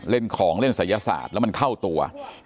เล่นของเล่นศัยศาสตร์แล้วมันเข้าตัว